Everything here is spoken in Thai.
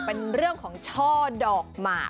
เป็นเรื่องของช่อดอกหมาก